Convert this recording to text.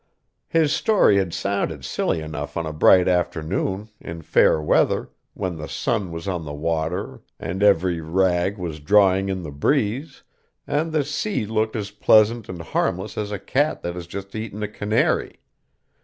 His story had sounded silly enough on a bright afternoon, in fair weather, when the sun was on the water, and every rag was drawing in the breeze, and the sea looked as pleasant and harmless as a cat that has just eaten a canary.